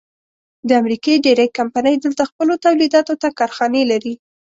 د امریکې ډېرۍ کمپنۍ دلته خپلو تولیداتو ته کارخانې لري.